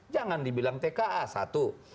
jangan dibilang tka satu